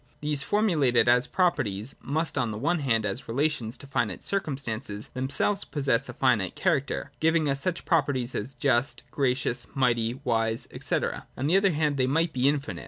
These, formulated as properties, must, on the one hand, as relations to finite circumstances, themselves possess a finite character (giving us such properties as just, 36.] NATURAL THEOLOGY. 73 gracious, mighty, wise, &c.) ; on the other hand they must be infinite.